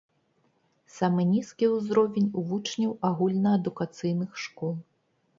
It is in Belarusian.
Самы нізкі ўзровень у вучняў агульнаадукацыйных школ.